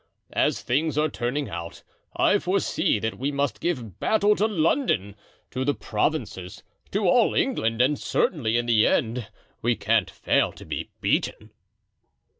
As things are turning out, I foresee that we must give battle to London, to the provinces, to all England, and certainly in the end we can't fail to be beaten."